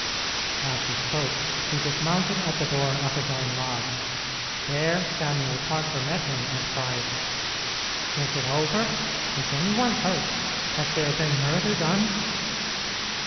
As he spoke, he dismounted at the door of his own lodge. There Samuel Parker met him, and cried, "Is it over? Is any one hurt? Has there been murder done?"